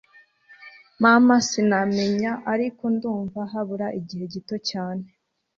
mama sinamenya ariko ndumva habura igihe gito cyane